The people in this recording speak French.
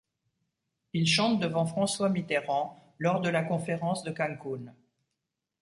Il chante devant François Mitterrand lors de la conférence de Cancun.